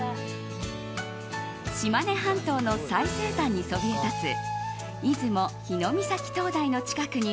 島根半島の最西端にそびえたつ出雲日御碕灯台の近くに